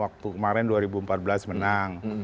waktu kemarin dua ribu empat belas menang